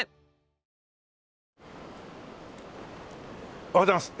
おはようございます。